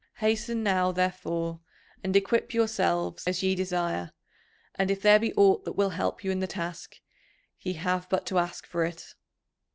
Hasten now, therefore, and equip yourselves as ye desire, and if there be aught that will help you in the task, ye have but to ask for it."